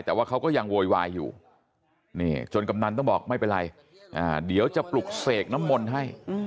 แต่ว่าเขาก็ยังโวยวายอยู่จนกำนันต้องบอกไม่เป็นไรเดี๋ยวจะปลุกเสกน้ำมนต์ให้